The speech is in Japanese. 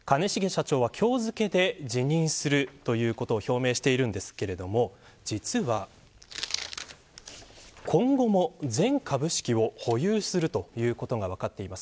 兼重社長は今日付で辞任するという表明をしていますが実は今後も全株式を保有するということが分かっています。